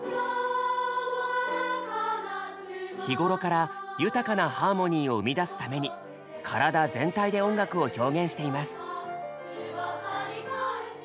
日頃から豊かなハーモニーを生み出すために体全体で音楽を表現しています。